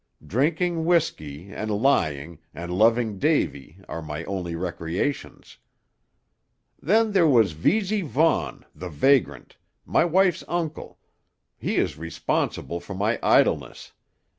Drinking whiskey, and lying, and loving Davy, are my only recreations. Then there was Veazy Vaughn, the Vagrant my wife's uncle he is responsible for my idleness.